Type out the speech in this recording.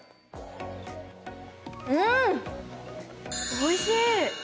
おいしい？